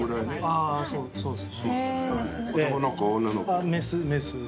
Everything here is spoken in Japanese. あぁそうです。